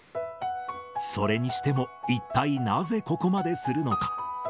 それにしても、一体なぜここまでするのか。